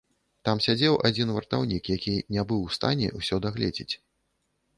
Там сядзеў адзін вартаўнік, які не быў у стане ўсё дагледзець.